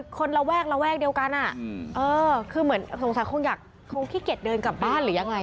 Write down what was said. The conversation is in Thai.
คงขี้เกียจเดินกลับบ้านหรือยังไง